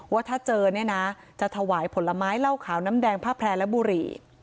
ว่าถ้าเจอเนี่ยนะจะถวายผลไม้เหล้าขาวน้ำแดงผ้าแพร่และบุหรี่